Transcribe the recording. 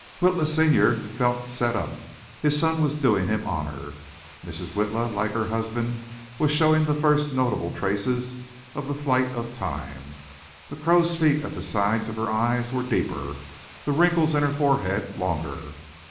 Witla senior felt set up. His son was doing him honor. Mrs. Witla, like her husband, was showing the first notable traces of the flight of time. The crow's feet at the sides of her eyes were deeper, the wrinkles in her forehead longer.